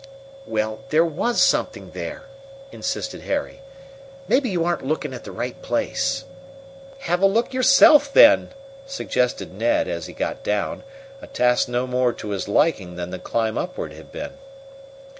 "Well, there was something there," insisted Harry. "Maybe you aren't lookin' at the right place." "Have a look yourself, then," suggested Ned, as he got down, a task no more to his liking than the climb upward had been.